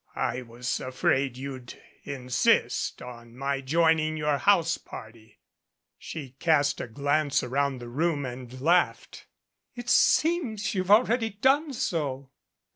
"I was afraid you'd insist on my joining your house party." She cast a glance around the room and laughed. "It seems that you've already done so."